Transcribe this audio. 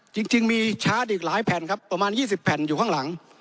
จริงมีชาร์จอีกหลายแผ่นครับประมาณ๒๐แผ่นอยู่ข้างหลัง